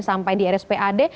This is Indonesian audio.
sampai di rspad